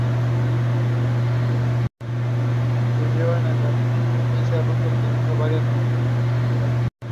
El proceso es controlado por el sistema nervioso parasimpático.